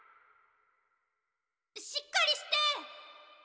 しっかりして！